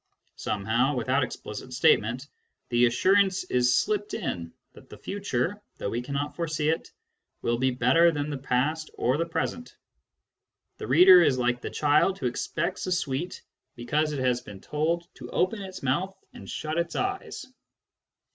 Some how, without explicit statement, the assurance is slipped Digitized by Google CURRENT TENDENCIES 15 in that the future, though we cannot foresee it, will be better than the past or the present : the reader is like the child who expects a sweet because it has been told to open its mouth and shut its eyes.